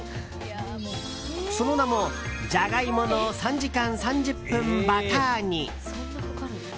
その名もじゃが芋の３時間３０分バター煮。